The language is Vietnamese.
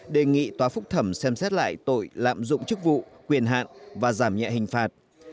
đề nghị tòa phúc thẩm xem xét lại tội lạm dụng chức vụ quyền hạn và giảm nhẹ hình phạt